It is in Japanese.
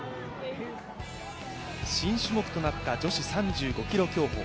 新種目となった女子３５ｋｍ競歩。